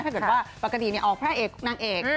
ถ้าว่าปกตินี่ออกพ่อเอกนางเอก